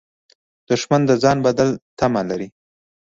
دښمن د ځان بدل تمه لري